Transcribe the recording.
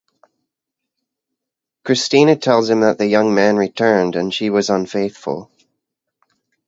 Krystyna tells him that the young man returned and she was unfaithful.